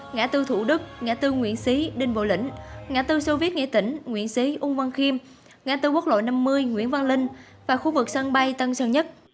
ngã tư thủ đức ngã tư nguyễn xí đinh bộ lĩnh ngã tư sô viết nghệ tỉnh nguyễn xí ún văn khiêm ngã tư quốc lội năm mươi nguyễn văn linh và khu vực sân bay tân sơn nhất